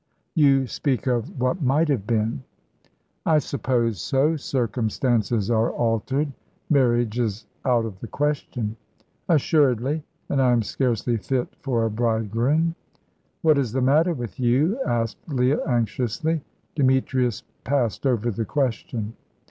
"You speak of what might have been." "I suppose so. Circumstances are altered. Marriage is out of the question." "Assuredly, and I am scarcely fit for a bridegroom." "What is the matter with you?" asked Leah, anxiously. Demetrius passed over the question.